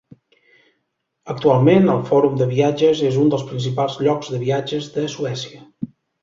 Actualment, el Fòrum de viatges és un dels principals llocs de viatges de Suècia.